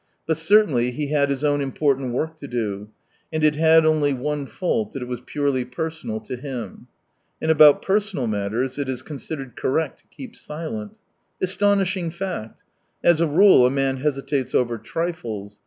But certainly he had his own important work to do : and it had only one fault, that it was purely personal to him. And about personal matters it is considered correct to keep silent. ... Astonishing fact ! As a rule a man hesitates over trifles.